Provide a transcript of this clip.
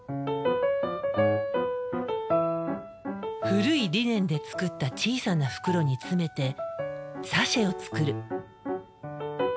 古いリネンで作った小さな袋に詰めてサシェを作る。